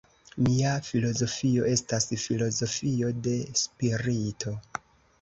Mia filozofio estas filozofio de spirito.